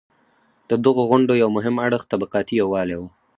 د دغو غونډو یو مهم اړخ طبقاتي یووالی و.